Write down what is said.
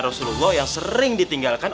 rasulullah yang sering ditinggalkan